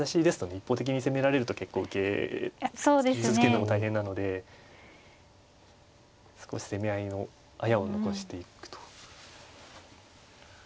一方的に攻められると結構受け続けるのも大変なので少し攻め合いのあやを残していくと。